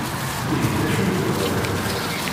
Ihi d acu i tebɣiḍ?